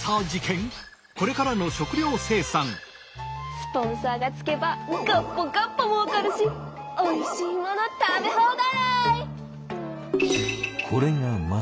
スポンサーがつけばガッポガッポもうかるしおいしいもの食べ放題！